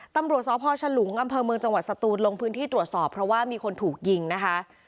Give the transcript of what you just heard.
ตำรวจสพฉลุงอำเภอเมืองจังหวัดสตูนลงพื้นที่ตรวจสอบเพราะว่ามีคนถูกยิงนะคะ